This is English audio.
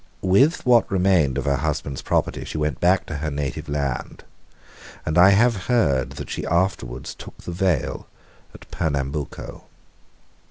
With what remained from her husband's property she went back to her native land, and I have heard that she afterwards took the veil at Pernambuco.